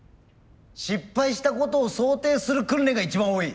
失敗したことを想定する訓練が一番多い。